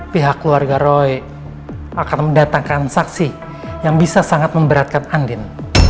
pihak keluarga roy akan mendatangkan saksi yang bisa sangat memberatkan andin